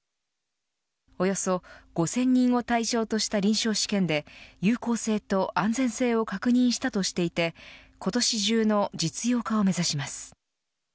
およそ５０００人を対象とした臨床試験で有効性と安全性を確認したとしていて今年中の実用化を目指します。